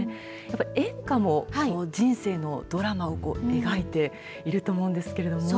演歌も人生のドラマを描いていると思うんですけども。